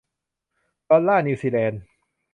ดอลลาร์นิวซีแลนด์